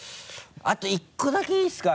あと１個だけいいですか？